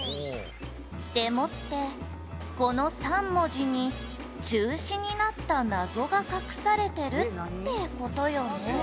「でもってこの３文字に中止になった謎が隠されてるって事よね」